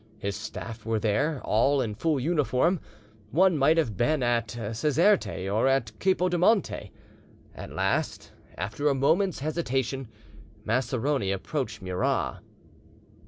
His staff were there, all in full uniform: one might have been at Caserte or at Capo di Monte. At last, after a moment's hesitation, Maceroni approached Murat.